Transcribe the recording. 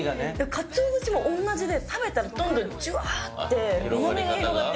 かつお節も同じで、食べたらどんどんじゅわってうまみが広がって。